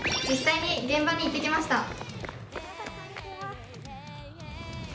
実際に現場に行ってきました。